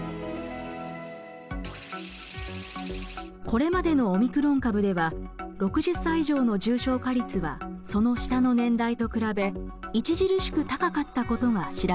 これまでのオミクロン株では６０歳以上の重症化率はその下の年代と比べ著しく高かったことが知られています。